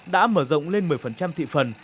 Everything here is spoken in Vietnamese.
đã mở rộng lên một mươi thị phần